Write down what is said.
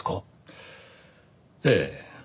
ええ。